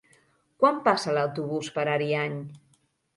Quan passa l'autobús per Ariany?